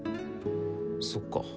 そっか。